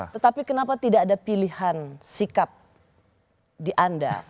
tetapi kenapa tidak ada pilihan sikap di anda